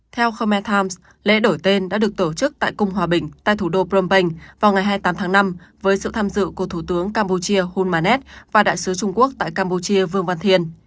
theo khermal time lễ đổi tên đã được tổ chức tại cung hòa bình tại thủ đô phnom penh vào ngày hai mươi tám tháng năm với sự tham dự của thủ tướng campuchia hulmanet và đại sứ trung quốc tại campuchia vương văn thiên